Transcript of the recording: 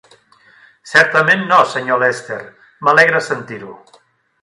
"Certament no, senyor Leicester", "m'alegra sentir-ho."